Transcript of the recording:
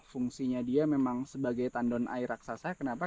fungsinya dia memang sebagai tandon air raksasa kenapa